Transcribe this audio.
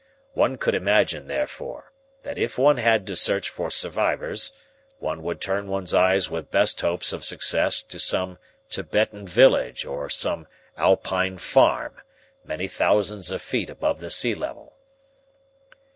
One could imagine, therefore, that if one had to search for survivors one would turn one's eyes with best hopes of success to some Tibetan village or some Alpine farm, many thousands of feet above the sea level."